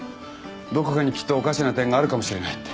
どこかにきっとおかしな点があるかもしれないって。